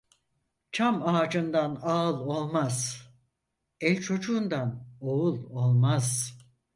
Çam ağacından ağıl olmaz, el çocuğundan oğul olmaz.